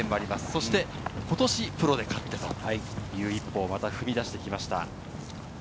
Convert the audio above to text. そしてことし、プロで勝ってという一歩を踏み出してきました。